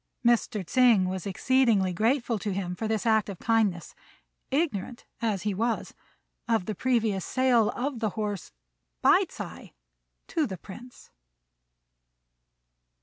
Mr. Tsêng was exceedingly grateful to him for this act of kindness, ignorant, as he was, of the previous sale of the horse by Ts'ui to the Prince.